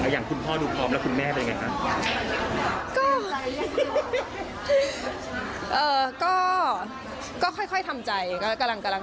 อย่างคุณพ่อดูพร้อมแล้วคุณแม่เป็นไงคะ